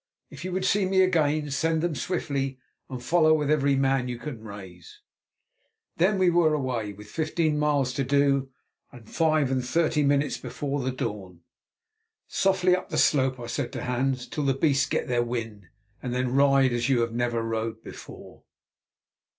"If you would see me again send them swiftly, and follow with every man you can raise." Then we were away with fifteen miles to do and five and thirty minutes before the dawn. "Softly up the slope," I said to Hans, "till the beasts get their wind, and then ride as you never rode before."